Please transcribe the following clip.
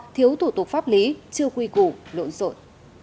thiếu thủ tục pháp lý chưa quy củ lộn rộn